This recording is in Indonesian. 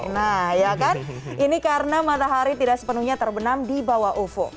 nah ya kan ini karena matahari tidak sepenuhnya terbenam di bawah ufu